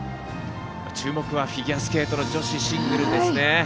注目はフィギュアスケート女子シングル。